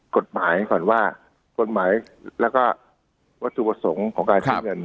กฎหมายก่อนว่ากฎหมายแล้วก็วัตถุประสงค์ของการใช้เงิน